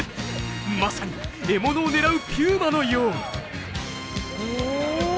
まさに獲物を狙うピューマのよう。